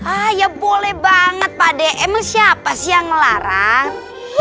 ah ya boleh banget pak d emang siapa sih yang larang